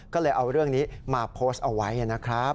ก็เลยเอาเรื่องนี้มาโพสต์เอาไว้นะครับ